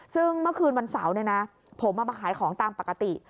ซึ่งเมื่อคืนวันเสาร์เนี่ยนะผมมาขายของตามปกติ